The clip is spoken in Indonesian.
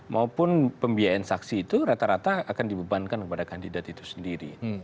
maupun pembiayaan saksi itu rata rata akan dibebankan kepada kandidat itu sendiri